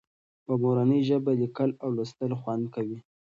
په مورنۍ ژبه لیکل او لوستل خوند کوي.